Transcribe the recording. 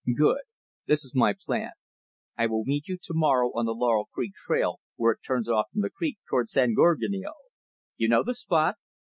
"Good! This is my plan. I will meet you to morrow on the Laurel Creek trail, where it turns off from the creek toward San Gorgonio. You know the spot?"